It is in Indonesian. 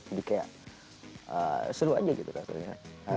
jadi kayak seru aja gitu kan sebenernya